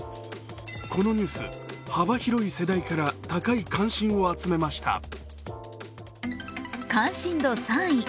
このニュース、幅広い世代から高い関心を集めました。